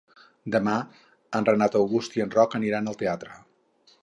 Demà en Renat August i en Roc aniran al teatre.